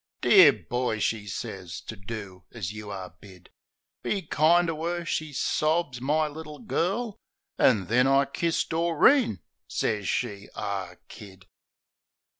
"Dear boy," she sez, "to do as you are bid. Be kind to 'er," she sobs, "my little girl!" An' then I kiss Doreen. Sez she "Ah Kid!"